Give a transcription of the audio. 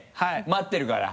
待ってるから。